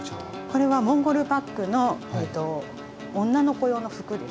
これはモンゴルパックの女の子用の服です。